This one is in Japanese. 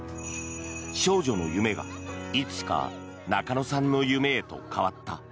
少女の夢が、いつしか中野さんの夢へと変わった。